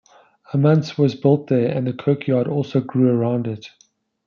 A Manse was built there and the kirkyard also grew around it.